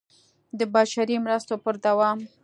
د بشري مرستو پر دوام